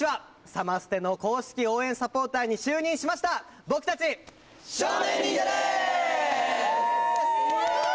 サマステの公式応援サポーターに就任しました僕たち、少年忍者です！